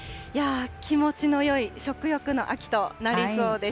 気持ちのよい食欲の秋となりそうです。